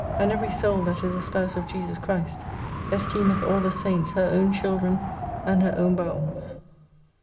And every Soul that is a spouse of Jesus Christ, esteemeth all the Saints her own children and her own bowels.